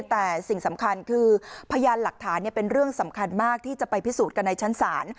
แต่สิ่งสำคัญคือพยานหลักฐานเป็นเรื่องสำคัญมากที่จะไปพิสูจน์กันในชั้นศาล